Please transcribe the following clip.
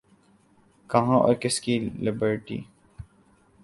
کہاں اور کس کی لبرٹی؟